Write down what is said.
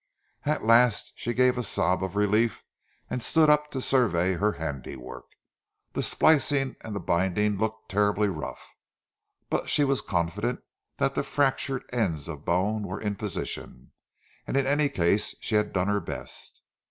At last she gave a sob of relief and stood up to survey her handiwork. The splicing and the binding looked terribly rough, but she was confident that the fractured ends of bone were in position, and in any case she had done her best.